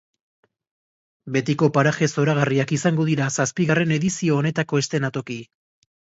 Betiko paraje zoragarriak izango dira zazpigarren edizio honetako eszenatoki.